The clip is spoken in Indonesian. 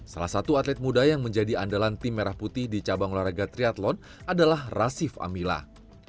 salah satu atlet muda yang menjadi andalan tim merah putih di cabang olahraga triathlon adalah rasif amilah